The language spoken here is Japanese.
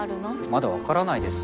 まだわからないです